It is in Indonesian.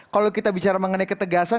kalau kita bicara mengenai ketegasan